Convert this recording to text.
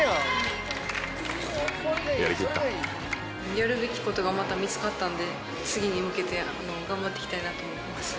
やるべきことが、また見つかったんで、次に向けて頑張っていきたいなと思います。